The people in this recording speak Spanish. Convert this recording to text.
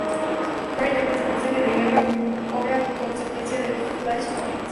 Barry interpreta el mensaje de guerra como otra consecuencia del Flashpoint.